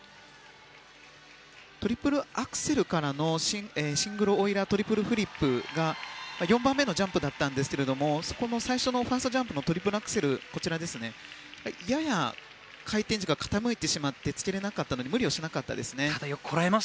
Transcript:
トリプルアクセルからのシングルオイラートリプルフリップ４番目のジャンプでしたがファーストジャンプのトリプルアクセルやや回転軸が傾いてしまってつけれなくて無理をしなかったですね。